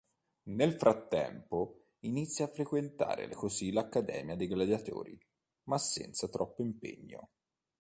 Nel frattempo inizia a frequentare così l'Accademia dei Gladiatori, ma senza troppo impegno.